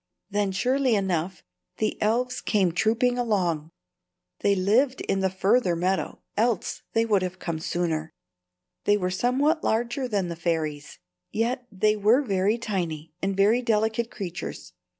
Then, surely enough, the elves came trooping along. They lived in the further meadow, else they had come sooner. They were somewhat larger than the fairies, yet they were very tiny and very delicate creatures.